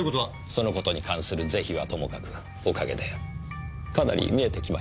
その事に関する是非はともかくおかげでかなり見えてきました。